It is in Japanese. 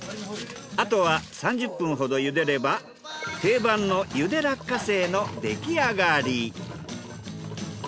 あとは３０分ほど茹でれば定番の茹で落花生のできあがり。